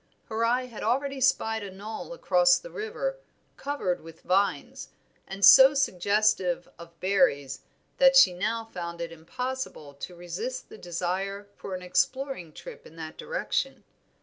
Her eye had already spied a knoll across the river covered with vines, and so suggestive of berries that she now found it impossible to resist the desire for an exploring trip in that direction.